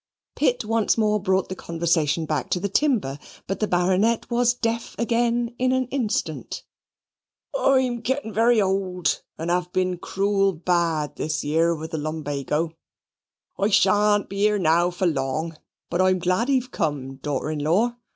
Pitt once more brought the conversation back to the timber, but the Baronet was deaf again in an instant. "I'm gittin' very old, and have been cruel bad this year with the lumbago. I shan't be here now for long; but I'm glad ee've come, daughter in law.